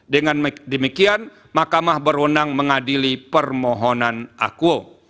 dengan demikian makamah berwenang mengadili permohonan aku